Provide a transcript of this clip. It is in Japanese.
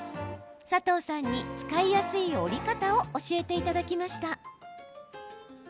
佐藤さんに、使いやすい折り方を教えていただきました。